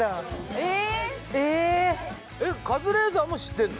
えーっえカズレーザーも知ってんの？